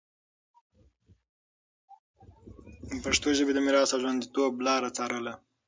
د پښتو ژبي د میراث او ژونديتوب لاره څارله